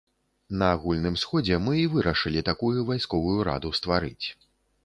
На агульным сходзе мы і вырашылі такую вайсковую раду стварыць.